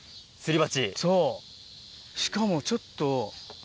そうしかもちょっと。